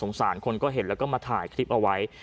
สารคนก็เห็นแล้วก็มาถ่ายคลิปเอาไว้